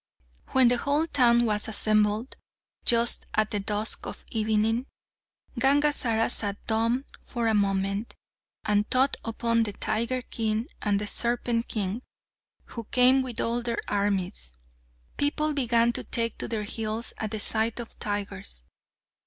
When the whole town was assembled, just at the dusk of evening, Gangazara sat dumb for a moment, and thought upon the Tiger King and the Serpent King, who came with all their armies. People began to take to their heels at the sight of tigers.